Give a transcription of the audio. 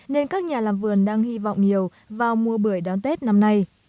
nên các nhà làm vườn đang hy vọng nhiều vào mùa bưởi đón tết năm nay